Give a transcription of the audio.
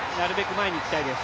前に行きたいです。